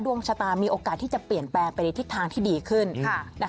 ดวงชะตามีโอกาสที่จะเปลี่ยนแปลงไปในทิศทางที่ดีขึ้น